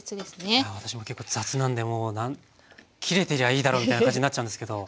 いや私も結構雑なんでもう切れてりゃいいだろうみたいな感じになっちゃうんですけど大事ですね。